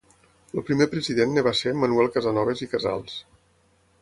El primer president en va ser Manuel Casanoves i Casals.